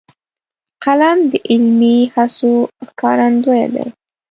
قلم د علمي هڅو ښکارندوی دی